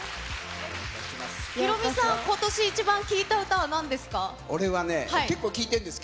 ヒロミさん、今年イチバン聴いた歌はなんですか。